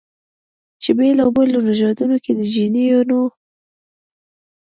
چې بېلابېلو نژادونو کې د جینونو